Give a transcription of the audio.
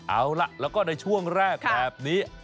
เอาล่ะแล้วก็ในช่วงแรกแบบนี้